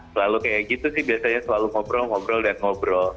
selalu kayak gitu sih biasanya selalu ngobrol ngobrol dan ngobrol